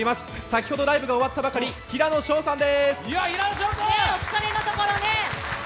先ほどライブが終わったばかり平野紫耀さんです。